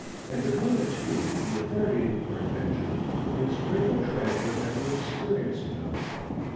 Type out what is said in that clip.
And between the two the affinity for adventure is greater treasure than the experiencing of it.